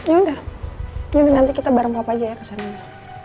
ya udah ini nanti kita bareng apa aja ya kesana